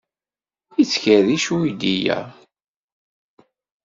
Yettkerric uydi-a.